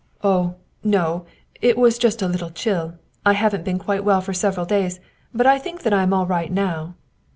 " Oh, no, it was just a little chill I haven't been quite well for several days, but I think that I am all right now."